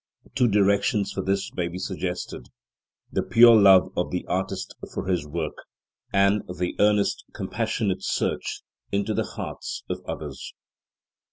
Two directions for this may be suggested: the pure love of the artist for his work, and the earnest, compassionate search into the hearts of others.